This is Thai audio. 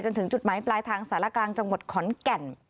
ถึงจุดหมายปลายทางสารกลางจังหวัดขอนแก่น